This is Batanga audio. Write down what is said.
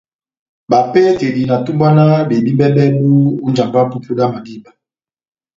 Bapehetedi na tumbwanahani bebímbɛ bɛbu ó njamba ya epupudu yá madíba.